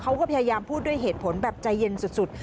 เขาก็พยายามพูดด้วยเหตุผลแบบใจเย็นสุด